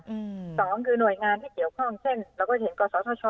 อืมสองคือหน่วยงานที่เกี่ยวข้องเช่นเราก็เห็นกศธช